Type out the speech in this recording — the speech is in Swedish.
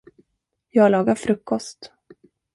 Jag lagar frukost.